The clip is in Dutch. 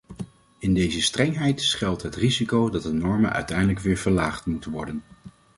In deze strengheid schuilt het risico dat de normen uiteindelijk weer verlaagd moeten worden.